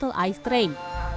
mereka juga mengatakan